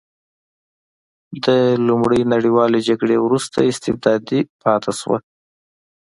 د لومړۍ نړیوالې جګړې وروسته استبدادي پاتې شوه.